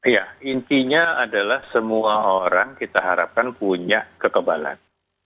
ya intinya adalah semua orang kita harapkan punya kekebalan